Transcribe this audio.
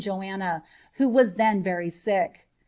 171 Joanna, who was then very sick.